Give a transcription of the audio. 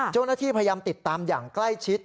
เจ้าหน้าที่พยายามติดตามอย่างใกล้ชิด